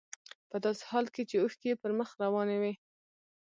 په داسې حال کې چې اوښکې يې پر مخ روانې وې.